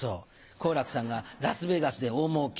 好楽さんが「ラスベガスで大もうけ‼」。